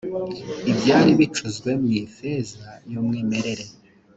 ibyari bicuzwe mu ifeza y umwimerere